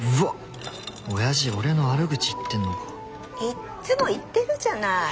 いっつも言ってるじゃない。